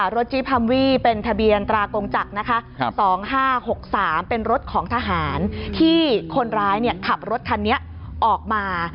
จีพัมวี่เป็นทะเบียนตรากงจักรนะคะ๒๕๖๓เป็นรถของทหารที่คนร้ายขับรถคันนี้ออกมา